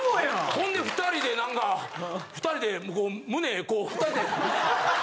ほんで２人でなんか２人でこう胸こう２人で。